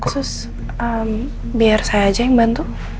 khusus biar saya aja yang bantu